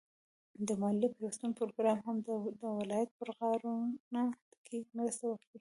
د ملي پيوستون پروگرام هم د ولايت په رغاونه كې مرسته وكړه،